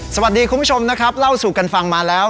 สวัสดีคุณผู้ชมเล่าสู้กันฟังมาแล้ว